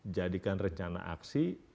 jadikan rencana aksi